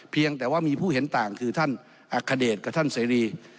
เพียงแต่ว่ามีผู้เห็นต่างคือท่านอัคเดชกับท่านเสรี